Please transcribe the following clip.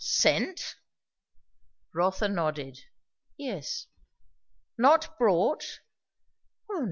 "Sent?" Rotha nodded. "Yes." "Not _brought?